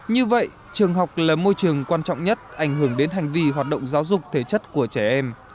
như vậy trường học là môi trường quan trọng nhất ảnh hưởng đến hành vi hoạt động giáo dục thể chất của trẻ em